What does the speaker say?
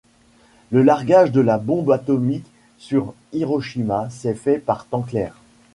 Le largage de la bombe atomique sur Hiroshima s'est fait par temps clair.